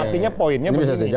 artinya poinnya begini